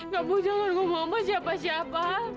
kamu jangan ngomong siapa siapa